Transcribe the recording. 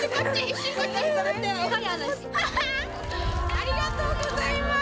ありがとうございます。